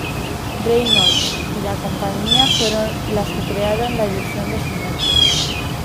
Reynolds y La Compañía fueron las que crearon la ilusión de su muerte.